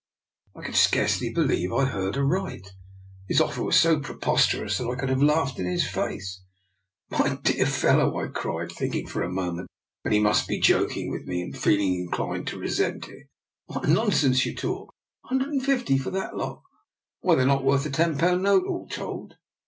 " I could scarcely believe I heard aright. His offer was so preposterous, that I could have laughed in his face. " My dear fellow," I cried, thinking for a moment that he must be joking with me, and feeling inclined to resent it, " what nonsense you talk! A hundred and fifty for that lot: why, they're not worth a ten pound note all told.